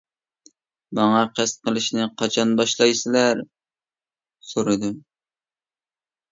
ماڭا قەست قىلىشنى قاچان باشلايسىلەر؟ سورىدىم.